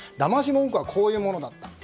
文句はこういうものだった。